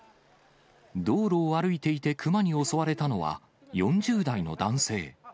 道路を歩いていてクマに襲われたのは、４０代の男性。